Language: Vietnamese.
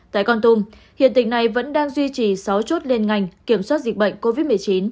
tại con tùng hiện tình này vẫn đang duy trì sáu chốt lên ngành kiểm soát dịch bệnh covid một mươi chín